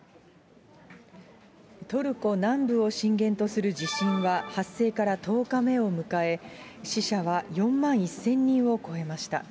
トルコ南部を震源とする地震は発生から１０日目を迎え、死者は４万１０００人を超えました。